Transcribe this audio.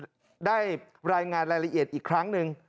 ได้รายงานรายละเอียดอีกครั้งหนึ่ง